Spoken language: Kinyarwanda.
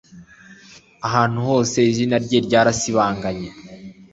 ahantu hose, izina rye ryarasibanganye